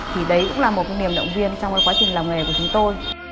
thì đấy cũng là một cái niềm động viên trong quá trình làm nghề của chúng tôi